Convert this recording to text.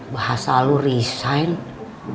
bahasa lu resign